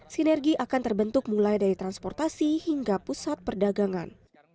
sinergi akan terbentuk mulai dari transportasi hingga pusat perdagangan